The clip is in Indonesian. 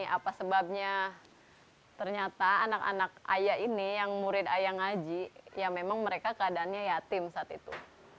apa sebabnya ternyata anak anak ayah ini yang murid ayah ngaji ya memang mereka keadaannya yatim saat itu